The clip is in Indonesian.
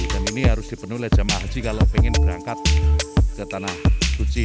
dan ini harus dipenuhi oleh jama' haji kalau ingin berangkat ke tanah suci